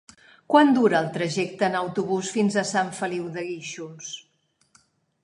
Quant dura el trajecte en autobús fins a Sant Feliu de Guíxols?